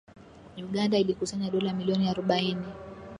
Uganda ilikusanya dola milioni harobaini